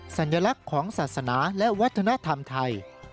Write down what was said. สัญลักษณ์ของศาสนาและวัฒนธรรมไทย